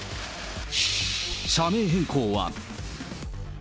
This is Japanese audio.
社名変更は？